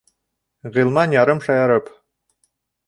Ғилман, ярым шаярып: